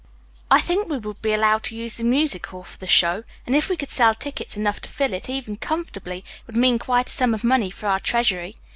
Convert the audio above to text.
I think we would be allowed to use Music Hall for the show, and if we could sell tickets enough to fill it, even comfortably, it would mean quite a sum of money for our treasury.